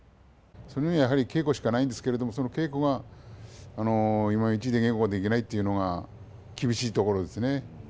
それには、やはり稽古しかないんですけれどもその稽古がいまいち、出稽古ができないっていうのが厳しいところですね。